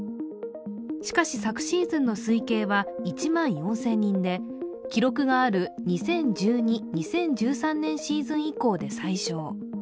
しかし、昨シーズンの推計は１万４０００人で、記録がある２０１２、２０１３年シーズン以降で最少。